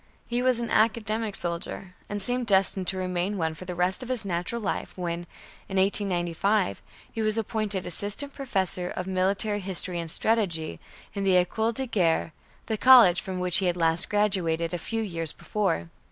He was an academic soldier, and seemed destined to remain one for the rest of his natural life when, in 1895, he was appointed Assistant Professor of Military History and Strategy, in the École de Guerre, the college from which he had last graduated, a few years before.